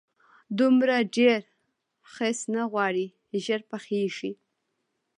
دومره ډېر خس نه غواړي، ژر پخېږي.